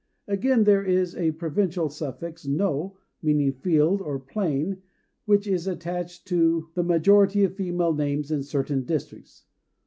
Again there is a provincial suffix "no" meaning "field" or "plain," which is attached to the majority of female names in certain districts.